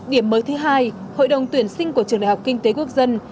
điểm mới thứ hai hội đồng tuyển sinh của trường đại học kinh tế quốc dân